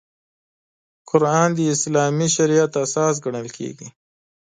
قران د اسلامي شریعت اساس ګڼل کېږي.